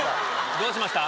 どうしました？